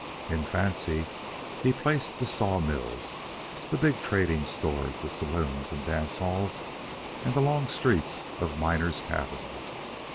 In fancy, he placed the sawmills, the big trading stores, the saloons, and dance halls, and the long streets of miners' cabins.